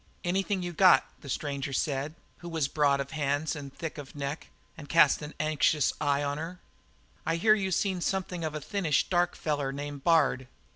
"Anything you got," said the stranger, who was broad of hands and thick of neck and he cast an anxious eye on her. "I hear you seen something of a thinnish, dark feller named Bard."